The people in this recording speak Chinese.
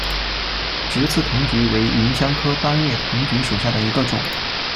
直刺藤橘为芸香科单叶藤橘属下的一个种。